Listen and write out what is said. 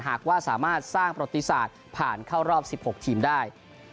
หากว่าสามารถสร้างประติศาสตร์ผ่านเข้ารอบ๑๖ทีมได้